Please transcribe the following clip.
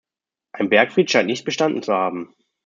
Ein Bergfried scheint nicht bestanden zu haben.